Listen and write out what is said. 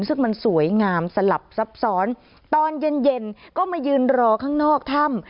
ซึ่งมันสวยงามสลับซับซ้อนตอนเย็นเย็นก็มายืนรอข้างนอกถ้ำ